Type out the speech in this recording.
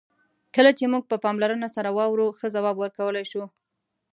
کله چې موږ په پاملرنه سره واورو، ښه ځواب ورکولای شو.